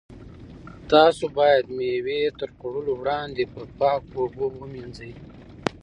تاسو باید مېوې تر خوړلو وړاندې په پاکو اوبو ومینځئ.